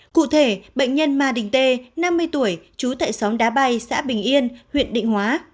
cụ thể bệnh nhân ma đình tê năm mươi tuổi trú tại xóm đá bay xã bình yên huyện định hóa